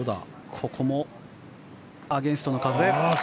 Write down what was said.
ここもアゲンストの風。